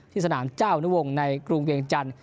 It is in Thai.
สนามเจ้านุวงศ์ในกรุงเวียงจันทร์